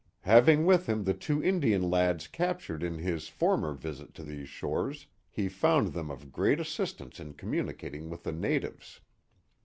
Having with him the two Indian lads cap tured in his former visit to these shores, he found them of great assistance in communicating with the natives.